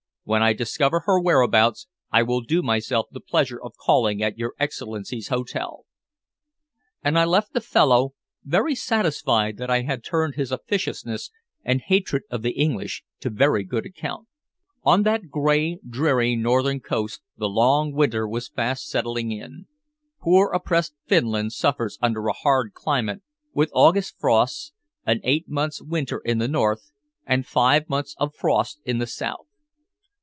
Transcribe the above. "When I discover her whereabouts, I will do myself the pleasure of calling at your Excellency's hotel." And I left the fellow, very satisfied that I had turned his officiousness and hatred of the English to very good account. On that gray, dreary northern coast the long winter was fast setting in. Poor oppressed Finland suffers under a hard climate with August frosts, an eight months' winter in the north, and five months of frost in the south.